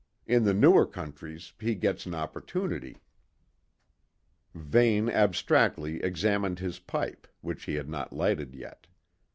In the newer countries he gets an opportunity." Vane abstractedly examined his pipe, which he had not lighted yet.